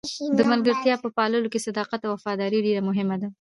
د ملګرتیا په پاللو کې صداقت او وفاداري ډېره مهمه ده.